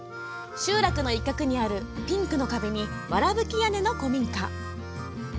集落の一角にあるピンクの壁にわらぶき屋根の古民家。